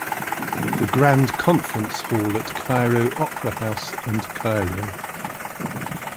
The Grand Conference Hall at Cairo Opera House and Cairo.